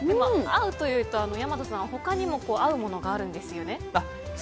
合うというと大和さん、他にも合うものがあるんですよね。